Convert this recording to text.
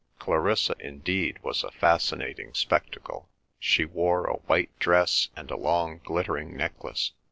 Clarissa, indeed, was a fascinating spectacle. She wore a white dress and a long glittering necklace.